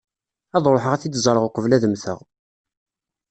Ad ṛuḥeɣ ad t-id-ẓreɣ uqbel ad mmteɣ.